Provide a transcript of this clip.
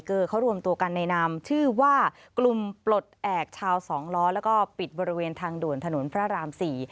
คือเขารวมตัวกันในนามชื่อว่ากลุ่มปลดแอบชาวสองล้อแล้วก็ปิดบริเวณทางด่วนถนนพระรามสี่